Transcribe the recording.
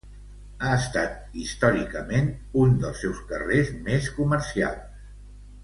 Ha estat històricament un dels seus carrers més comercials.